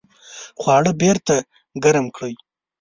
خواړه بیرته ګرم کړئ